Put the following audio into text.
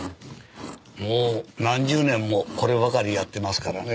もう何十年もこればかりやってますからね。